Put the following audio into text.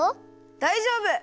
だいじょうぶ！